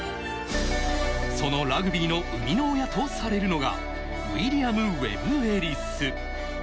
そのラグビーの生みの親とされるのが、ウィリアム・ウェブ・エリス。